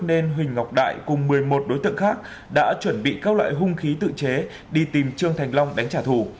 nên huỳnh ngọc đại cùng một mươi một đối tượng khác đã chuẩn bị các loại hung khí tự chế đi tìm trương thành long đánh trả thù